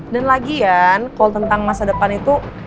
dan lagi yaan kalo tentang masa depan itu